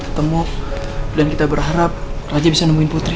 ketemu dan kita berharap raja bisa nemuin putri